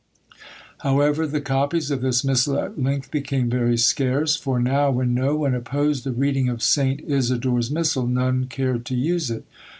However, the copies of this missal at length became very scarce; for now, when no one opposed the reading of St. Isidore's missal, none cared to use it.